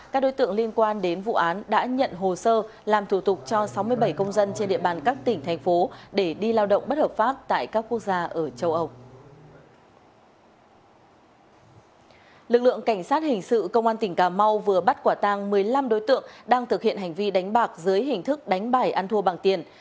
lực lượng cảnh sát hình sự công an tỉnh cà mau vừa bắt quả tang một mươi năm đối tượng đang thực hiện hành vi đánh bạc dưới hình thức đánh bài ăn thua bằng tiền